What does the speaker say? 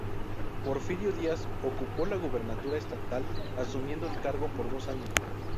Porfirio Díaz ocupo la gubernatura estatal, asumiendo el cargo por dos años.